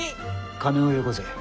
金をよこせ。